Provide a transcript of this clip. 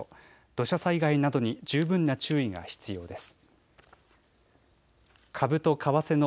土砂災害などに十分な注意が必要です。